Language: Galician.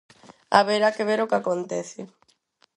Haberá que ver o que acontece.